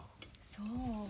そう。